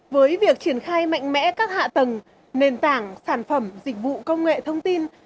với việc triển khai mạnh mẽ các hạ tầng nền tảng sản phẩm dịch vụ công nghệ thông tin